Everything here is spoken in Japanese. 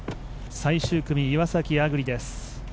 最終組、岩崎亜久竜です。